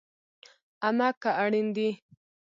امه که اړين دي